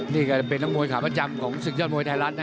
นี่ก็เป็นนักมวยขาประจำของศึกยอดมวยไทยรัฐนะ